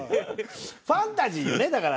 ファンタジーよねだから。